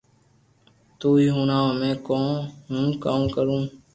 تو ھي ھوڻاو ھمي ھون ڪاوُ ڪرو